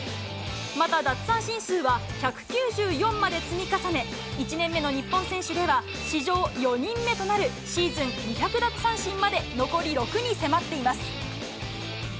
また奪三振数は１９４まで積み重ね、１年目の日本選手では、史上４人目となるシーズン２００奪三振まで残り６に迫っています。